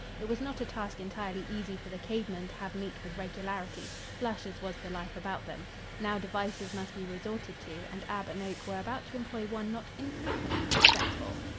It was not a task entirely easy for the cave men to have meat with regularity, flush as was the life about them. New devices must be resorted to, and Ab and Oak were about to employ one not infrequently successful.